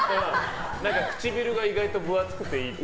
唇が意外と分厚くていいって。